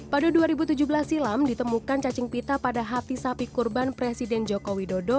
pada dua ribu tujuh belas silam ditemukan cacing pita pada hati sapi kurban presiden joko widodo